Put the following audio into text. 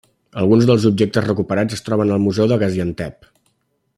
Alguns dels objectes recuperats es troben al museu de Gaziantep.